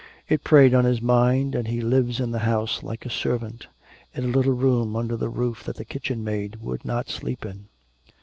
It preyed on his mind, and he lives in the house like a servant, in a little room under the roof that the kitchen maid would not sleep in.